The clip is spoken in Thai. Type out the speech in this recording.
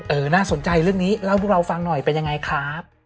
น่าสนใจเรื่องนี้เล่าให้พวกเราฟังหน่อยเป็นยังไงครับ